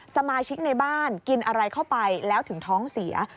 สมาชิกในบ้านกินอะไรเข้าไปแล้วถึงท้องเสีย